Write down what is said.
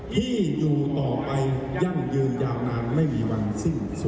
ที่อยู่ต่อไปยั่งยืนยาวนานไม่มีวันสิ้น